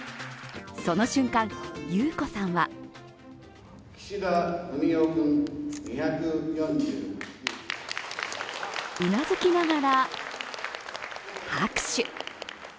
その瞬間、裕子さんはうなずきながら、拍手。